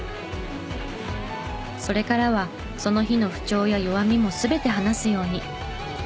それからはその日の不調や弱みも全て話すように。